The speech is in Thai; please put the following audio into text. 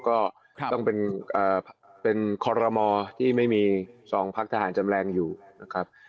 ก็ต้องเป็นคอรมอที่ไม่มี๒พักทหารจำแรงอยู่นะครับ